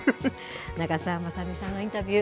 長澤まさみさんのインタビュー